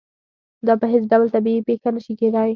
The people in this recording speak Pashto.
دا په هېڅ ډول طبیعي پېښه نه شي کېدای.